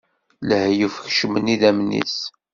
Lehyuf kecmen idammen-is.